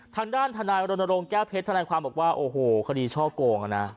ทางด้านทนายรณรงค์แก้วเพชรธนายความบอกว่าโอ้โหคดีช่อโกงอ่ะนะ